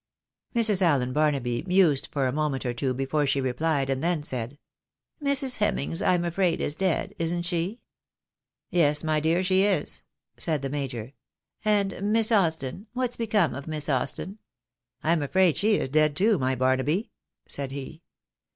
Mrs. Allen Barnaby mused for a moment or two before she replied, and then said —" Mrs. Hemings, I am afraid, is dead ; isn't she ?"" Yes, my dear, she is," said the major. " And Miss Austin ? What's become of Miss Austin ?"" I am afraid she is dead, too, my Barnaby," said he.